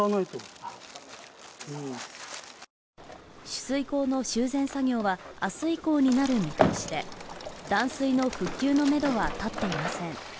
取水口の修善作業は明日以降になる見通しで、断水の復旧のめどは立っていません。